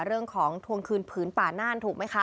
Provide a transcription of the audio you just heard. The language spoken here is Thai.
เรื่องของทวงคืนผืนป่านานถูกไหมคะ